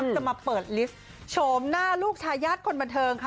จะมาเปิดลิสต์โฉมหน้าลูกทายาทคนบันเทิงค่ะ